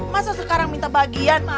masa sekarang minta bagian